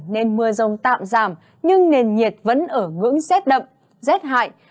nên mưa rông tạm giảm nhưng nền nhiệt vẫn ở ngưỡng rét đậm rét hại